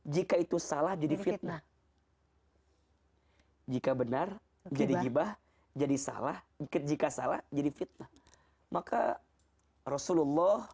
jika itu salah jadi fitnah jika benar jadi gibah jadi salah jika salah jadi fitnah maka rasulullah